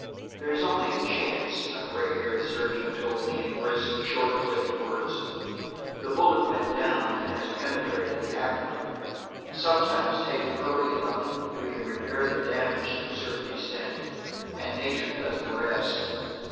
"There is only a chance," a gray haired surgeon told me in brisk, short clipped words. "The bullet went down, and has penetrated the abdomen. Sometimes, taken early enough, we can repair the damage, to a certain extent, and nature does the rest.